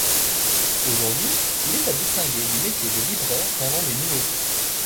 Aujourd'hui, il est à distinguer du métier de libraire vendant des nouveautés.